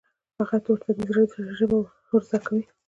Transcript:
هغه ورته د زړه ژبه ور زده کوي.